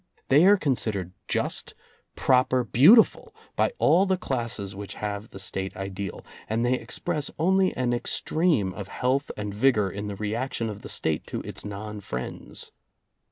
They are considered just, proper, beautiful by all the classes which have the State ideal, and they express only an extreme of health and vigor in the reaction of the State to its non friends.